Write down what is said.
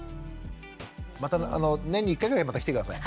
また年に１回ぐらいまた来て下さい。